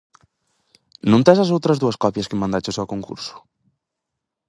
Non tes as outras dúas copias que mandaches ao concurso?